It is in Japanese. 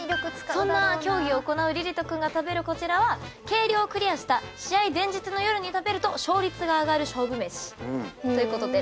そんな競技を行う凜駿君が食べるこちらは計量をクリアした試合前日の夜に食べると勝率が上がる勝負めしということで。